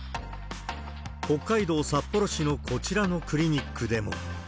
北海道札幌市のこちらのクリニックでも。